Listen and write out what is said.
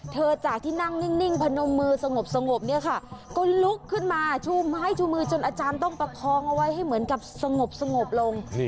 จากที่นั่งนิ่งพนมมือสงบเนี่ยค่ะก็ลุกขึ้นมาชูไม้ชูมือจนอาจารย์ต้องประคองเอาไว้ให้เหมือนกับสงบสงบลง